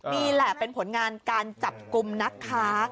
นี่แหละเป็นผลงานการจับกลุ่มนักค้า